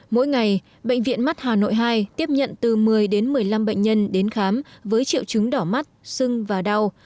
mỗi ngày bệnh viện mắt hà nội hai tiếp nhận từ một mươi đến một mươi năm bệnh nhân đến khám với triệu chứng đỏ mắt sưng và đau